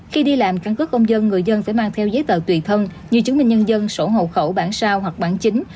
khi đi làm căn cứ công dân người dân phải mang theo giấy tờ tùy thân như chứng minh nhân dân sổ hậu khẩu bảng sao hoặc bảng chính